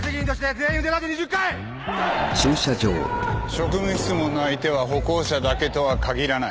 職務質問の相手は歩行者だけとは限らない。